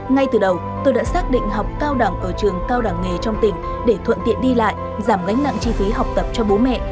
ngay từ đầu tôi đã xác định học cao đẳng ở trường cao đẳng nghề trong tỉnh để thuận tiện đi lại giảm gánh nặng chi phí học tập cho bố mẹ